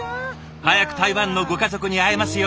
早く台湾のご家族に会えますように。